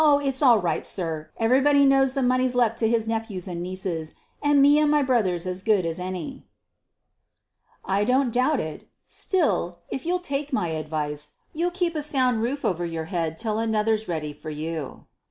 it's all right, sir. Everybody knows the money's left to his nephews and nieces, and me and my brother's as good as any." "I don't doubt it: still, if you'll take my advice, you'll keep a sound roof over your head till another's ready for you."